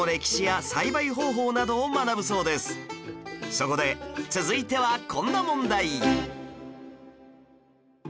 そこで続いてはこんな問題